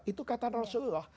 itu kata rasulullah